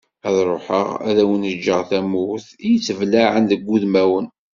Ad ruḥeγ ad awen-ğğeγ tawwurt i yettblaԑen deg udemawen.